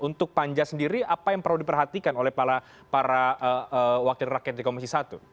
untuk panja sendiri apa yang perlu diperhatikan oleh para wakil rakyat di komisi satu